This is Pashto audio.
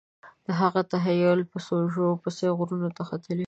د هغه تخیل په سوژو پسې غرونو ته ختلی و